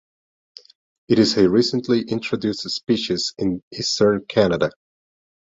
It is a recently introduced species in eastern Canada.